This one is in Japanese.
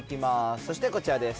そしてこちらです。